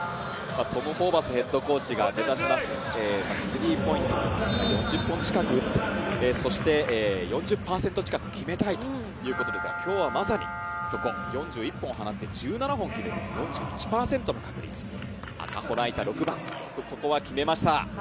トム・ホーバスヘッドコーチが目指します、スリーポイントを４０本近く近く打って、４０％近く決めたいということですが今日はまさにそこ、４１本放って１７本決める、４１％の確率、赤穂雷太６番、ここはよく決めました。